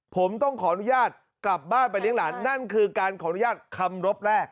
ผมต้องขออนุญาตกลับบ้านไปเลี้ยงหลานนั่นคือการขออนุญาตคำรบแรก